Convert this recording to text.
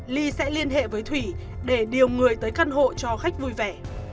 ly sẽ liên hệ với thủy để điều người tới căn hộ cho khách vui vẻ